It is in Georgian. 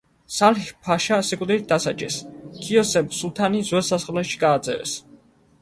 სალიჰ ფაშა სიკვდილით დასაჯეს, ქიოსემ სულთანი ძველ სასახლეში გააძევეს.